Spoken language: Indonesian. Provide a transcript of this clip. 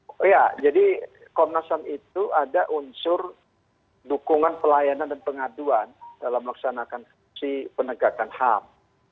oh iya jadi komnas ham itu ada unsur dukungan pelayanan dan pengaduan dalam melaksanakan fungsi penegakan ham